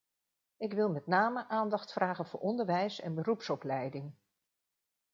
Ik wil met name aandacht vragen voor onderwijs en beroepsopleiding.